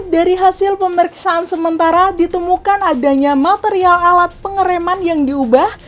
dari hasil pemeriksaan sementara ditemukan adanya material alat pengereman yang diubah